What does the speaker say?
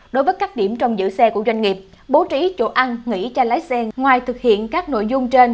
đối với các điểm trong giữ xe của doanh nghiệp bố trí chỗ ăn nghỉ cho lái xe ngoài thực hiện các nội dung trên